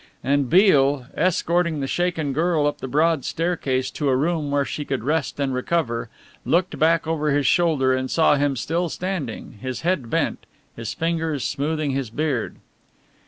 And Beale, escorting the shaken girl up the broad staircase to a room where she could rest and recover, looked back over his shoulder and saw him still standing, his head bent, his fingers smoothing his beard.